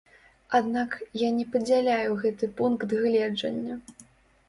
Аднак я не падзяляю гэты пункт гледжання.